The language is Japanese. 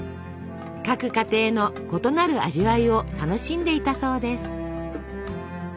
各家庭の異なる味わいを楽しんでいたそうです。